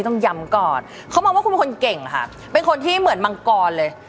ต้องย้ำก่อนเขามองว่าคุณเป็นคนเก่งค่ะเป็นคนที่เหมือนมังกรเลย